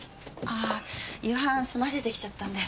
ああ夕飯すませてきちゃったんで。